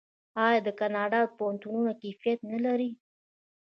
آیا د کاناډا پوهنتونونه کیفیت نلري؟